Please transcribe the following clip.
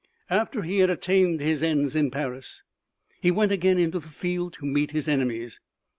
After he had attained his ends in Paris he went again into the field to meet his enemies.